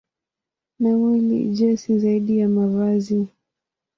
Na mwili, je, si zaidi ya mavazi?